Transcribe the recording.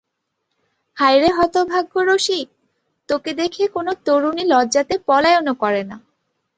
হায় রে হতভাগ্য রসিক, তোকে দেখে কোনো তরুণী লজ্জাতে পলায়নও করে না!